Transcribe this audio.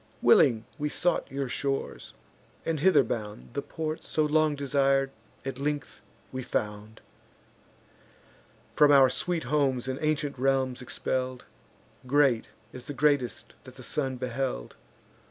Willing we sought your shores; and, hither bound, The port, so long desir'd, at length we found; From our sweet homes and ancient realms expell'd; Great as the greatest that the sun beheld.